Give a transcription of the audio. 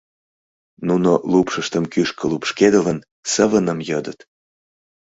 Нуно, лупшыштым кӱшкӧ лупшкедылын, сывыным йодыт.